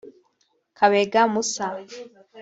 Kabega Musa